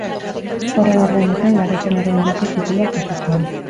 Horren ordainetan, Garaipenaren duke titulua jaso zuen.